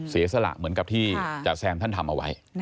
เสียสละเหมือนกับที่จ๋าแซมท่านทำเอาไว้